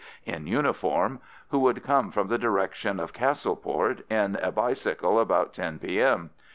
in uniform, who would come from the direction of Castleport on a bicycle about 10 P.M.